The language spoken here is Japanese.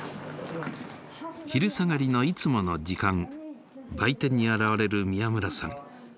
昼下がりのいつもの時間売店に現れる宮村さん。